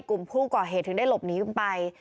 กลุ่มผู้ก่อเหตุถึงได้หลบหนีกันไป